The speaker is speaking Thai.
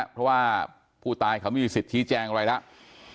เพราะว่าผู้ตายมีสิทธิแจงอีกกว่านี้